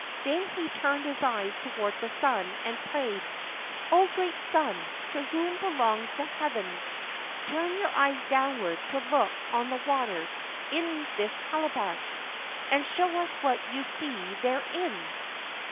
Then he turned his eyes toward the sun and prayed: "Oh, great sun, to whom belongs the heavens, turn your eyes downward to look on the water in this calabash, and show us what you see therein!